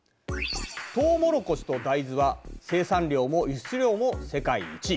とうもろこしと大豆は生産量も輸出量も世界１位。